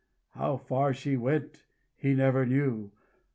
How far she went, he never knew.